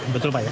betul pak ya